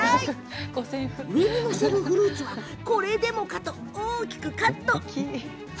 そして上に載せるフルーツはこれでもかと大きくカット。